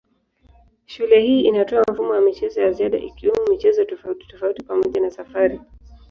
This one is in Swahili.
Shule hii inatoa mfumo wa michezo ya ziada ikiwemo michezo tofautitofauti pamoja na safari.